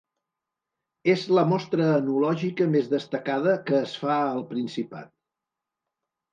És la mostra enològica més destacada que es fa al Principat.